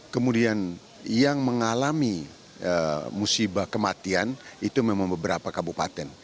kemudian yang mengalami musibah kematian itu memang beberapa kabupaten